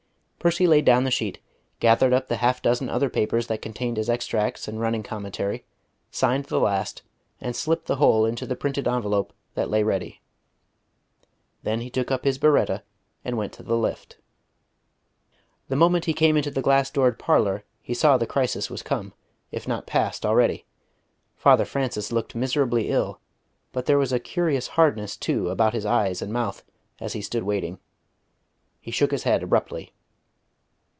Percy laid down the sheet, gathered up the half dozen other papers that contained his extracts and running commentary, signed the last, and slipped the whole into the printed envelope that lay ready. Then he took up his biretta and went to the lift. The moment he came into the glass doored parlour he saw that the crisis was come, if not passed already. Father Francis looked miserably ill, but there was a curious hardness, too, about his eyes and mouth, as he stood waiting. He shook his head abruptly.